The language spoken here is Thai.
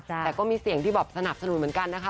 แต่ก็มีเสียงที่แบบสนับสนุนเหมือนกันนะคะ